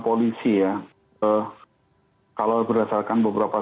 polisi ya kalau berdasarkan beberapa